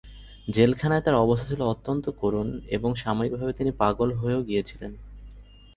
জেলখানায় তার অবস্থা ছিল অত্যন্ত করুন এবং সাময়িকভাবে তিনি পাগল হয়েও গিয়েছিলেন।